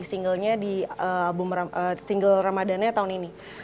singlenya di single ramadannya tahun ini